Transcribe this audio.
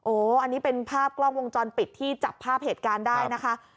อันนี้เป็นภาพกล้องวงจรปิดที่จับภาพเหตุการณ์ได้นะคะ